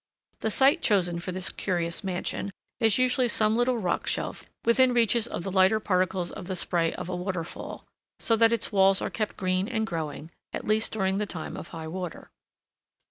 The site chosen for this curious mansion is usually some little rock shelf within reach of the lighter particles of the spray of a waterfall, so that its walls are kept green and growing, at least during the time of high water.